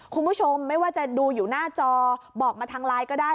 คุณผู้ชมไม่ว่าจะดูอยู่หน้าจอบอกมาทางไลน์ก็ได้